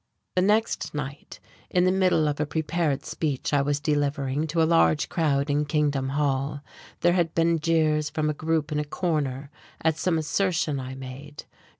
The next night, in the middle of a prepared speech I was delivering to a large crowd in Kingdom Hall there had been jeers from a group in a corner at some assertion I made.